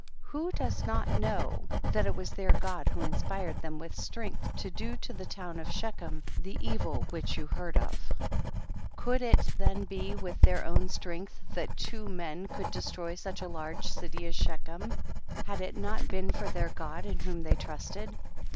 16. Who does not know that it was their God who inspired them with strength to do to the town of Shechem the evil which vou heard of? 106 THE BOOK OF JASHER. 17. Could it then be with their own strength that two men could destroy such a large city as She chem had it not been for their God in whom they trusted?